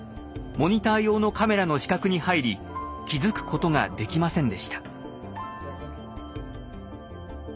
モニター用のカメラの死角に入り気付くことができませんでした。